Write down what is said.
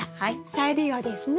再利用ですね。